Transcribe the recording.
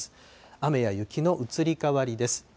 雨や雪の移り変わりです。